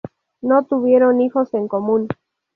No tuvieron hijos en común.